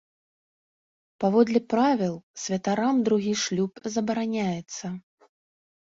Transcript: Паводле правіл, святарам другі шлюб забараняецца.